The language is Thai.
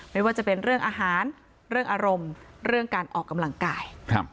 ไม่ว่าจะเป็นเรื่องอาหารเรื่องอารมณ์เรื่องการออกกำลังกาย